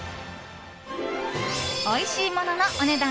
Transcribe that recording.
おいしいもののお値段